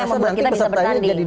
memang berarti kita bisa bertanding